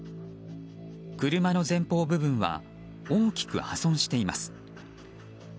車の前方部分は大きく破損しています。